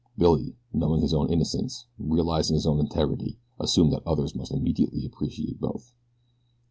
Billy, knowing his own innocence, realizing his own integrity, assumed that others must immediately appreciate both.